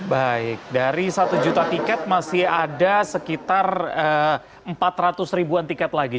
baik dari satu juta tiket masih ada sekitar empat ratus ribuan tiket lagi